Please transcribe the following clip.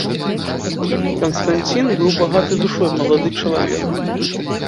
Канстанцін быў багаты душой малады чалавек.